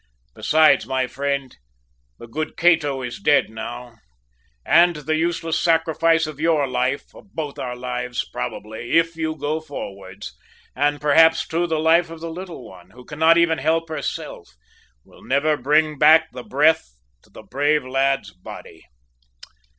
Besides, my friend, the good Cato is dead now, and the useless sacrifice of your life, of both our lives probably, if you go forwards, and perhaps too the life of the little one, who cannot even help herself, will never bring back the breath to the brave lad's body!